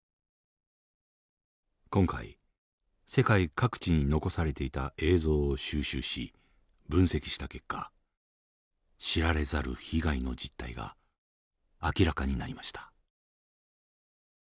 今回世界各地に残されていた映像を収集し分析した結果知られざる被害の実態が明らかになりました。